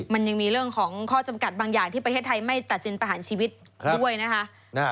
มันยังมีเรื่องของข้อจำกัดบางอย่างที่ประเทศไทยไม่ตัดสินประหารชีวิตด้วยนะคะ